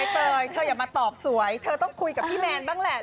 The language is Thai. เตยเธออย่ามาตอบสวยเธอต้องคุยกับพี่แมนบ้างแหละ